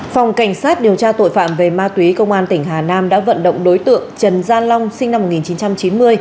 phòng cảnh sát điều tra tội phạm về ma túy công an tỉnh hà nam đã vận động đối tượng trần gia long sinh năm một nghìn chín trăm chín mươi